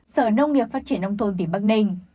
sở nông nghiệp phát triển nông thôn tỉnh bắc ninh